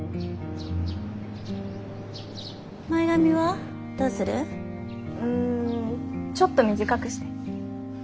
うんちょっと短くして。